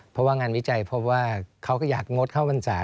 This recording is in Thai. เพราะว่างานวิจัยเพราะว่าเขาก็อยากงดเข้าพรรษา